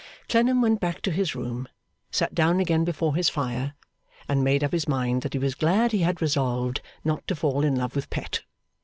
Clennam went back to his room, sat down again before his fire, and made up his mind that he was glad he had resolved not to fall in love with Pet.